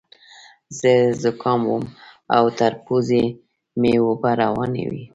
زه ذکام وم او تر پوزې مې اوبه روانې وې.